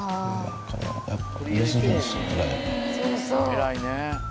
偉いね。